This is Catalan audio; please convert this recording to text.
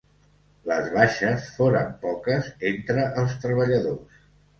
Les baixes foren poques entre els treballadors.